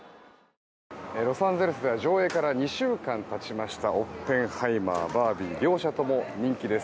ロサンゼルスでは上映から２週間たちました「オッペンハイマー」「バービー」両者とも人気です。